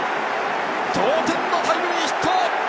同点のタイムリーヒット！